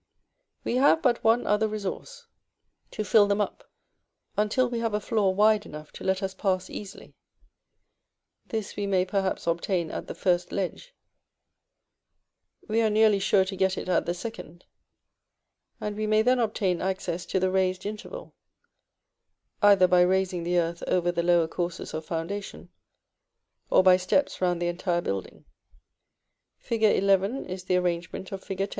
We have but one other resource, to fill them up until we have a floor wide enough to let us pass easily: this we may perhaps obtain at the first ledge, we are nearly sure to get it at the second, and we may then obtain access to the raised interval, either by raising the earth over the lower courses of foundation, or by steps round the entire building. Fig. XI. is the arrangement of Fig.